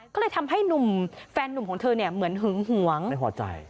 ก็เลยทำให้หนุ่มแฟนนุ่มของเธอเนี่ยเหมือนหึงหวงไม่พอใจ